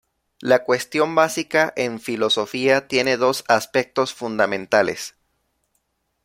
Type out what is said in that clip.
La cuestión básica en filosofía tiene dos aspectos fundamentales.